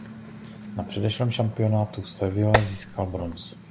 Na předešlém šampionátu v Seville získal bronz.